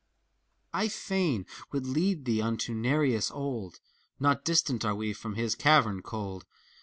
I fain would lead thee unto Nereus old. Not distant are we from his cavern cold.